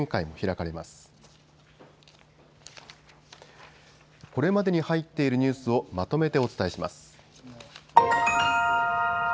これまでに入っているニュースをまとめてお伝えします。